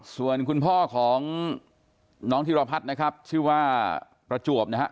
ส่วนคุณพ่อของน้องธิรพัฒน์นะครับชื่อว่าประจวบนะฮะ